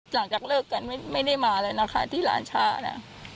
หลังจากเลิกกันไม่ได้มาเลยนะคะที่หลานช้านะ